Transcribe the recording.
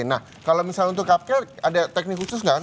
nah kalau misalnya untuk kapkel ada teknik khusus nggak